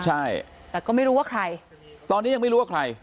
ใช่แต่ก็ไม่รู้ว่าใครตอนนี้ยังไม่รู้ว่าใคร